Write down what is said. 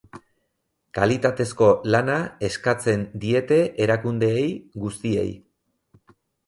Kalitatezko lana eskatzen diete erakundeei guztiei.